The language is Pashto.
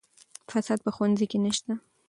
فساد په ښوونځي کې نشته.